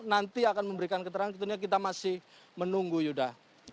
nanti akan memberikan keterangan kita masih menunggu yudha